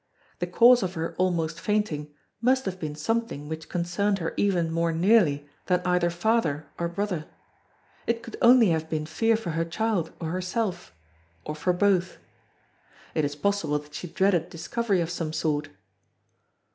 The cause of her "almost fainting" must have been something which concerned her even more nearly than either father or brother. It could only have been fear for her child or herself or for both. It is possible that she dreaded discovery of some sort.